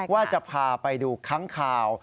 ว่าจะพาไปดูค้างข่าว